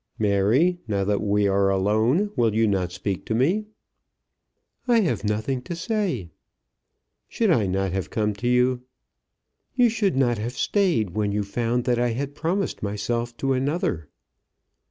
"Mary, now that we are alone, will you not speak to me?" "I have nothing to say." "Should I not have come to you?" "You should not have stayed when you found that I had promised myself to another."